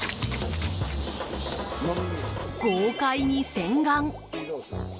豪快に洗顔！